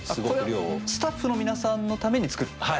これはスタッフの皆さんのために作った？